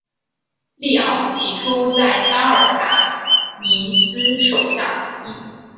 利奥起初在巴尔达尼斯手下服役。